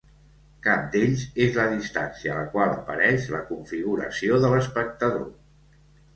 Cap d'ells és la distància a la qual apareix la configuració de l'espectador.